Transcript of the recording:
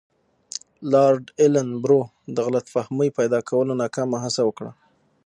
لارډ ایلن برو د غلط فهمۍ پیدا کولو ناکامه هڅه وکړه.